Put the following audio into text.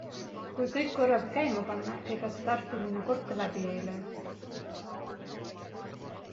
Kui kõik korraga käima panna, ega see Tartu linna korke läbi ei löö?